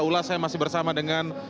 ulas saya masih bersama dengan